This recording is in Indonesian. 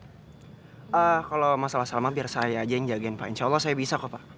kalau masalah salaman biar saya aja yang jagain pak insya allah saya bisa kok pak